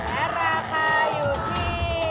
และราคาอยู่ที่